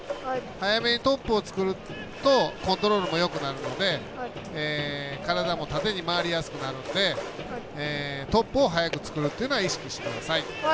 早めにトップを作るとコントロールもよくなるので体も縦に回りやすくなるのでトップを早く作るというのを意識してください。